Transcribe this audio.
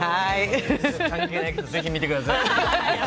関係ないけど、ぜひみてください。